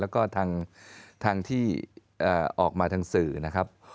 แล้วก็ทางที่ออกมาทางสื่อนะครับ